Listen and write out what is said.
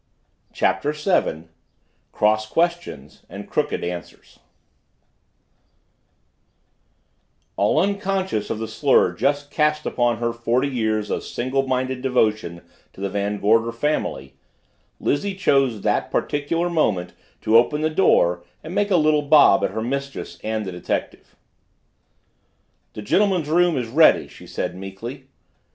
CHAPTER SEVEN CROSS QUESTIONS AND CROOKED ANSWERS All unconscious of the slur just cast upon her forty years of single minded devotion to the Van Gorder family, Lizzie chose that particular moment to open the door and make a little bob at her mistress and the detective. "The gentleman's room is ready," she said meekly.